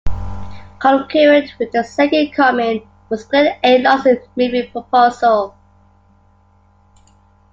Concurrent with "The Second Coming" was Glen A. Larson's movie proposal.